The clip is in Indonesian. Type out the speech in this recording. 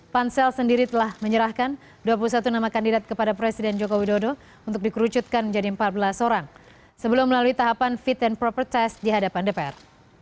pansel sendiri telah menyerahkan dua puluh satu nama kandidat kepada presiden joko widodo untuk dikerucutkan menjadi empat belas orang sebelum melalui tahapan fit and proper test di hadapan dpr